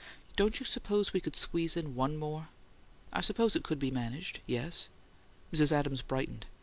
Don't you suppose we could squeeze in one more?" "I suppose it COULD be managed; yes." Mrs. Adams brightened.